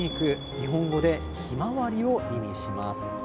日本語で「ひまわり」を意味します。